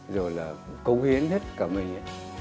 rồi là cung hiến hết cả mình